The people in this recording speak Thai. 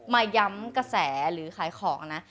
มาย้ำกระแสหรือขายของนะ